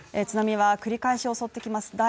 津波は繰り返し襲ってきます